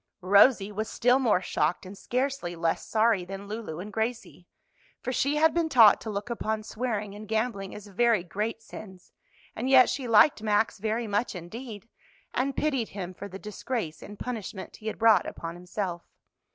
Rosie was still more shocked and scarcely less sorry than Lulu and Gracie, for she had been taught to look upon swearing and gambling as very great sins, and yet she liked Max very much indeed, and pitied him for the disgrace and punishment he had brought upon himself.